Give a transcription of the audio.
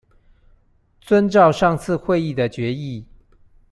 遵照上次會議的決議